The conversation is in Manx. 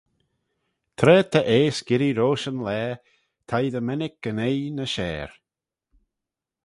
Tra ta' eayst girree rosh yn laa, t'ee dy mennick yn oie ny share.